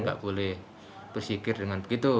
nggak boleh bersikir dengan begitu